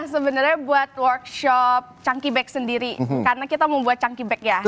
kita sebenernya buat workshop chunky bag sendiri karena kita mau buat chunky bag ya